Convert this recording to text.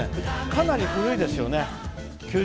かなり古いですね。